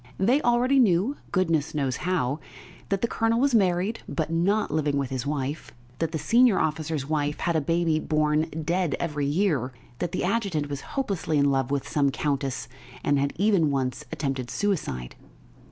They already knew, goodness knows how, that the colonel was married, but not living with his wife; that the senior officer's wife had a baby born dead every year; that the adjutant was hopelessly in love with some countess, and had even once attempted suicide.